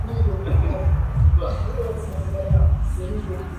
mwinjili walitumia taarifa ya Marko walipoandika Injili zao Anasemekana